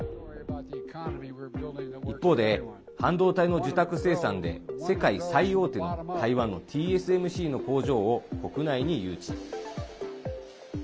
一方で、半導体の受託生産で世界最大手の台湾のＴＳＭＣの工場を国内に誘致。